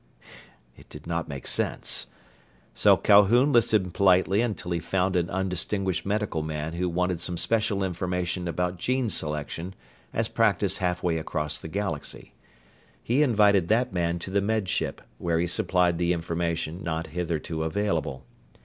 It did not make sense. So Calhoun listened politely until he found an undistinguished medical man who wanted some special information about gene selection as practised halfway across the galaxy. He invited that man to the Med Ship, where he supplied the information not hitherto available.